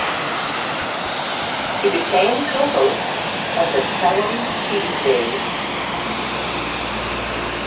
He became co-host of the Tell 'Em Steve-Dave!